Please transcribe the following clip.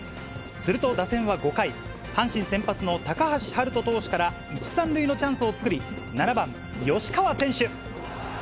すると打線は５回、阪神先発の高橋遥人投手から１、３塁のチャンスを作り、７番吉川選手。